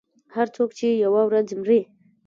• هر څوک چې یوه ورځ مري.